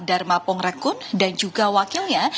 dharma pongrekun dan juga wakilnya